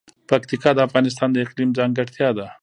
پکتیکا د افغانستان د اقلیم ځانګړتیا ده.